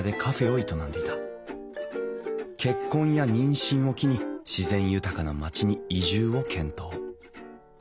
結婚や妊娠を機に自然豊かな町に移住を検討。